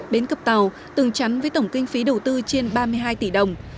bến cập tàu tường chắn với tổng kinh phí đầu tư trên ba mươi hai tỷ đồng